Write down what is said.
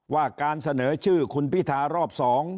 ว่าการเสนอชื่อคุณพิธารอบ๒